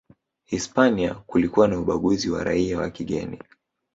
Hispania kulikuwa na ubaguzi wa raia wa kigeni